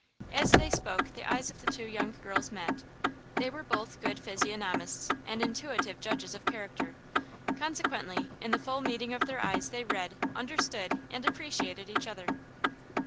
As they spoke the eyes of the two young girls met. They were both good physiognomists and intuitive judges of character. Consequently in the full meeting of their eyes they read, understood and appreciated each other.